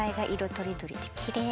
とりどりできれい。